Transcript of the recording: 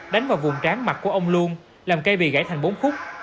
đánh vào vùng tráng mặt của ông luân làm cây bị gãy thành bốn khúc